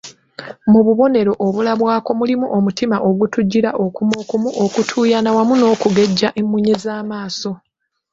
Mu bubonero obulabwako mulimu omutima okutujjira okumukumu, okutuuyana wamu n'okugejja emmunye z'amaaso